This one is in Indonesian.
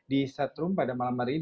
di setrum pada malam hari ini